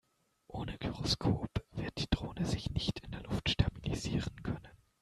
Ohne Gyroskop wird die Drohne sich nicht in der Luft stabilisieren können.